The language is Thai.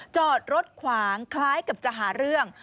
จอดรถขวางคล้ายกับจะหาเรื่อง